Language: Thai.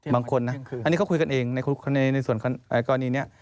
บางคนนะอันนี้เขาคุยกันเองในส่วนกรณีนี้